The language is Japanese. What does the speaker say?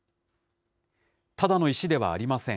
ただの石ではありません。